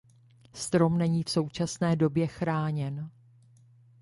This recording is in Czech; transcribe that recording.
Strom není v současné době chráněn.